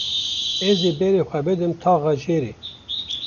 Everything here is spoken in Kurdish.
Ez ê berê xwe bidim taxa jêrê.